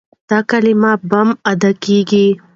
دا کلمه بم ادا کېږي.